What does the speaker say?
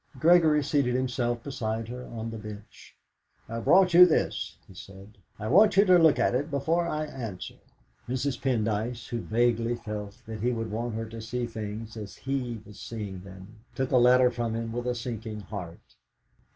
Gregory seated himself beside her on the bench. "I've brought you this," he said. "I want you to look at it before I answer." Mrs. Pendyce, who vaguely felt that he would want her to see things as he was seeing them, took a letter from him with a sinking heart.